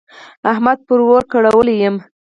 احمد پر اور کړولی يم.